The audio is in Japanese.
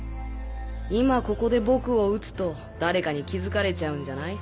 今ここで僕を撃つと誰かに気づかれちゃうんじゃない？